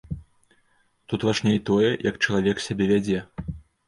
Тут важней тое, як чалавек сябе вядзе.